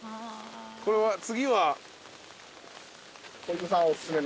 これは次は？